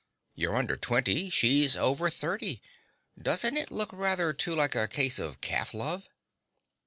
You're under twenty: she's over thirty. Doesn't it look rather too like a case of calf love?